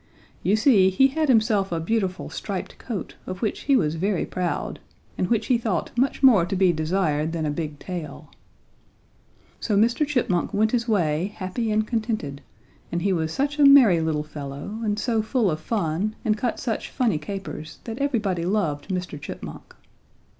You see he had himself a beautiful striped coat of which he was very proud and which he thought much more to be desired than a big tail. "So Mr. Chipmunk went his way happy and contented and he was such a merry little fellow and so full of fun and cut such funny capers that everybody loved Mr. Chipmunk.